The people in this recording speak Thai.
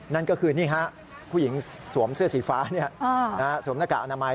นั่นก็คือนี่ฮะผู้หญิงสวมเสื้อสีฟ้าสวมหน้ากากอนามัย